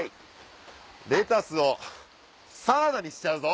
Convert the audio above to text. レタスをサラダにしちゃうぞ！